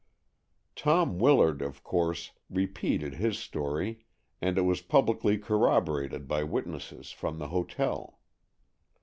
Tom Willard, of course, repeated his story, and it was publicly corroborated by witnesses from the hotel.